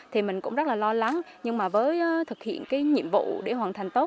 thì mình cũng rất là lo lắng nhưng mà với thực hiện cái nhiệm vụ để hoàn thành tốt